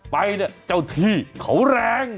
ไปเนี่ยเจ้าที่เขาแรง